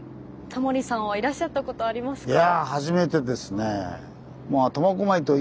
タモリさんはいらっしゃったことありますか？